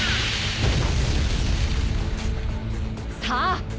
さあ